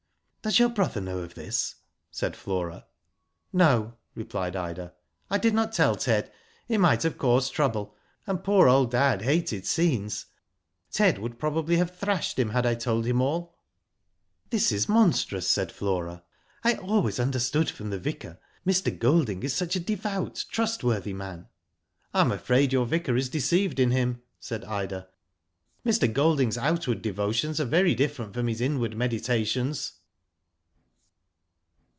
" Does your brother know of this ?" said Flora. "No," replied Ida, "I did not tell Ted. It might have caused trouble, and poor old dad hated scenes. Ted would probably have thrashed him had I told him all." Digitized byGoogk TIVO GIRLS. 67 "This IS monstrous," said Flora. " I always under stood from the Vicar Mr, Golding is such a devout, trustworthy man." I am afraid your Vicar is deceived in him," said Ida, Mr Goldingfs outward devotions are very diflFerent from his inward meditations.".